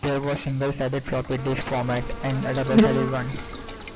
There was a single-sided floppy-disk format, and a double-sided one.